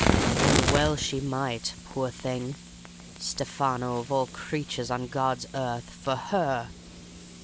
"And well she might, poor thing! Stefano, of all creatures on God's earth—for her!